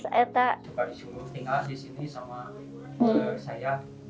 suka disuruh tinggal disini sama saya